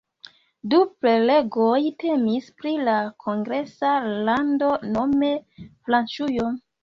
Du prelegoj temis pri la kongresa lando, nome Francujo.